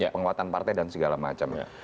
penguatan partai dan segala macam